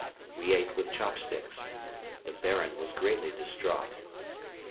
We ate with chopsticks. The Baron was greatly distraught.